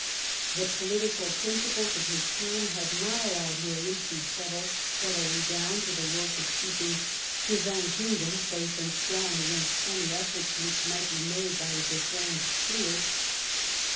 The political principles of his time had not allowed William to settle steadily down to the work of keeping his own kingdom safe and strong against any efforts which might be made by the dethroned Stuarts.